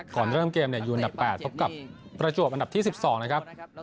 ก่อนเริ่มเกมอยู่อันดับ๘พบกับประจวบอันดับที่๑๒นะครับ